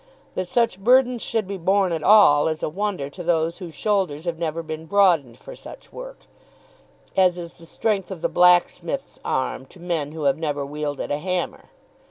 That such burdens should be borne at all is a wonder to those whose shoulders have never been broadened for such work; as is the strength of the blacksmith's arm to men who have never wielded a hammer.